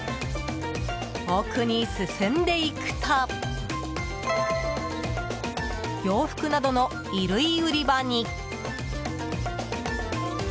奥に進んでいくと洋服などの衣類売り場に。